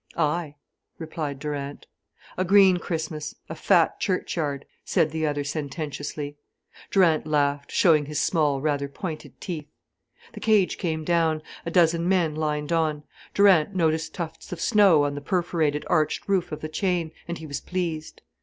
"Ay," replied Durant. "A green Christmas, a fat churchyard," said the other sententiously. Durant laughed, showing his small, rather pointed teeth. The cage came down, a dozen men lined on. Durant noticed tufts of snow on the perforated, arched roof of the chain, and he was pleased.